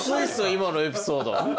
今のエピソード。